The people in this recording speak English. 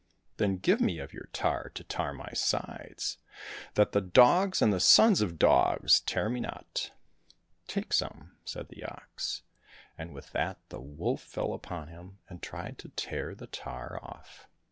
Then give me of your tar to tar my sides, that the dogs and the sons of dogs tear me not !"—" Take some," said the ox. And with that the wolf fell upon him and tried to tear the tar off.